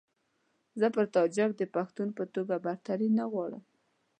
زه پر تاجک د پښتون په توګه برتري نه غواړم.